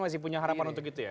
masih punya harapan untuk itu ya